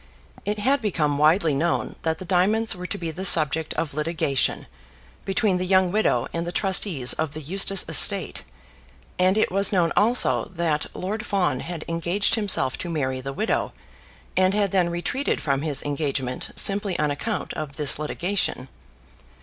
It had become widely known that the diamonds were to be the subject of litigation between the young widow and the trustees of the Eustace estate; and it was known also that Lord Fawn had engaged himself to marry the widow, and had then retreated from his engagement simply on account of this litigation.